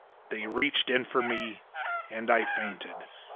"They reached in for me then, and I fainted.